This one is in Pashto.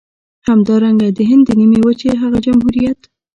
همدارنګه د هند د نيمې وچې هغه جمهوريت.